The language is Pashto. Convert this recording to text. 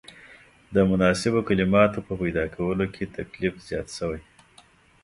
د مناسبو کلماتو په پیدا کولو کې تکلیف زیات شوی.